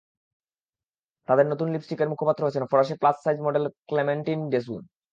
তাদের নতুন লিপস্টিকের মুখপাত্র হচ্ছেন ফরাসি প্লাস সাইজ মডেল ক্লেমেন্টিন ডেস্যু।